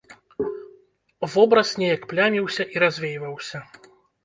Вобраз неяк пляміўся і развейваўся.